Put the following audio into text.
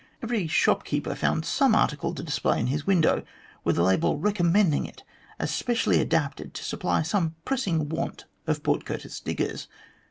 Every shopkeeper found some article to display in his window with a label recommending it as specially adapted to supply some pressing want of Port Curtis diggers.